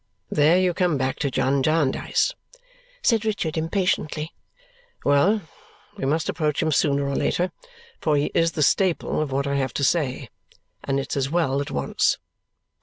"There you come back to John Jarndyce!" said Richard impatiently. "Well! We must approach him sooner or later, for he is the staple of what I have to say, and it's as well at once.